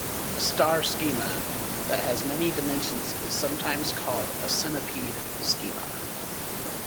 A star schema that has many dimensions is sometimes called a "centipede schema".